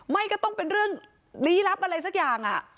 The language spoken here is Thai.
ไม่ต้องเป็นเรื่องลี้ลับอะไรสักอย่าง